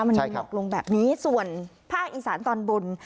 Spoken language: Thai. มันมีหมอกลงแบบนี้ส่วนภาคอีสานตอนบน